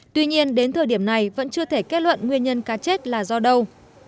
tuy nhiên đến thời điểm này vẫn chưa thể kết luận nguyên nhân cá chết là do đâu